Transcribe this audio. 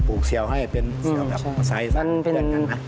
ปุกเซลล์ให้เป็นเซลล์แบบไซด์